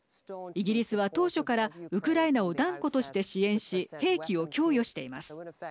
イギリスは当初からウクライナを断固として支援し兵器を供与しています。